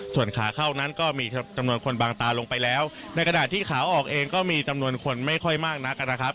ส่วนขาเข้านั้นก็มีจำนวนคนบางตาลงไปแล้วในกระดาษที่ขาออกเองก็มีจำนวนคนไม่ค่อยมากนักนะครับ